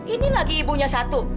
ini lagi ibunya satu